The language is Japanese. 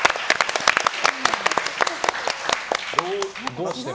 どうして○？